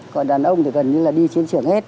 còn đàn ông thì gần như là đi chiến trường hết